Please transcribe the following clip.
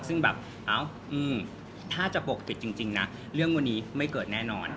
ซึ่งแบบเอ้าถ้าจะปกปิดจริงนะเรื่องวันนี้ไม่เกิดแน่นอน